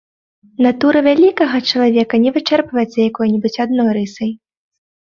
Натура вялікага чалавека не вычэрпваецца якой-небудзь адной рысай.